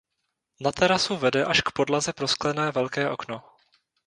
Na terasu vede až k podlaze prosklené velké okno.